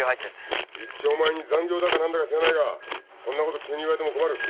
一丁前に残業だか何だか知らないがそんなこと急に言われても困る。